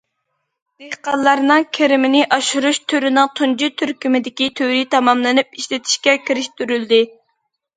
دېھقانلارنىڭ كىرىمىنى ئاشۇرۇش تۈرىنىڭ تۇنجى تۈركۈمدىكى تۈرى تاماملىنىپ ئىشلىتىشكە كىرىشتۈرۈلدى.